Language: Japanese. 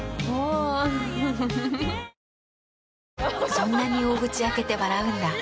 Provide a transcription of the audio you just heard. そんなに大口開けて笑うんだ。